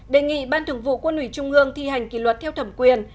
đề nghị ban thường vụ quân ủy trung ương thi hành kỷ luật theo thẩm quyền